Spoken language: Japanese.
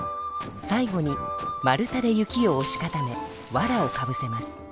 最後に丸太で雪をおし固めわらをかぶせます。